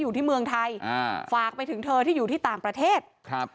อยู่ที่เมืองไทยอ่าฝากไปถึงเธอที่อยู่ที่ต่างประเทศครับ